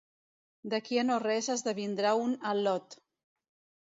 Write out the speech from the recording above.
D'aquí a no res esdevindrà un al·lot.